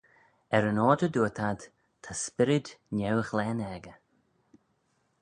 Er-yn-oyr dy dooyrt ad, ta spyrryd neu-ghlen echey.